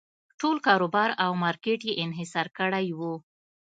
ټول کاروبار او مارکېټ یې انحصار کړی و.